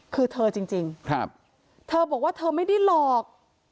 คือเธอจริงเธอบอกว่าเธอไม่ได้หลอก